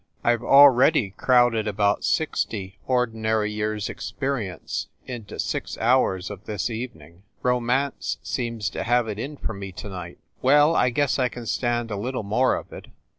I ve already crowded about sixty ordinary years experiences into six hours of this evening. Romance seems to have it in for me to night. Well, I guess I can stand a little more of it.